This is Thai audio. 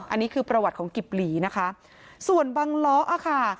อันนี้คือประวัติของกิบหลีนะคะส่วนบังล้ออ่ะค่ะ